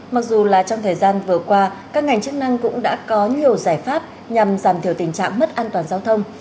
mặc dù là trong thời gian vừa qua các ngành chức năng cũng đã có nhiều giải pháp nhằm giảm thiểu tình trạng mất an toàn giao thông